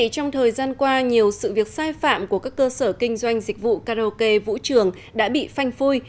trong thời gian qua nhiều sự việc sai phạm của các cơ sở kinh doanh dịch vụ karaoke vũ trường đã bị phanh phui